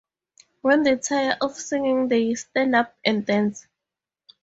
When they tire of singing they stand up and dance.